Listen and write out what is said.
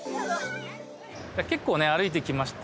結構ね歩いてきまして。